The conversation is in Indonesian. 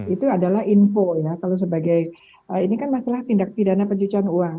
itu adalah info ya kalau sebagai ini kan masalah tindak pidana pencucian uang